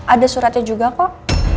ada suratnya juga kok